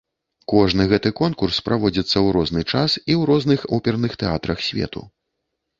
Кожны год гэты конкурс праводзіцца ў розны час і ў розных оперных тэатрах свету.